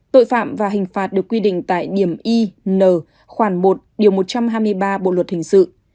tội phạm và hình phạt được quy định tại điểm y n khoảng một điều một trăm hai mươi ba bộ luật hình sự